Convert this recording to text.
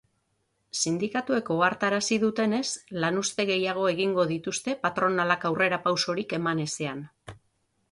Sindikatuek ohartarazi dutenez, lanuzte gehiago egingo dituzte patronalak aurrerapausorik eman ezean.